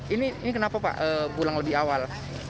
ini kenapa pak pulang lebih awal